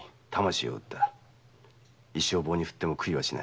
一生を棒に振っても悔いはしない。